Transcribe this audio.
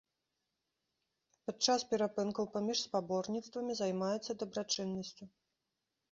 Падчас перапынкаў паміж спаборніцтвамі займаецца дабрачыннасцю.